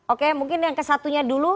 ok mungkin yang kesatunya dulu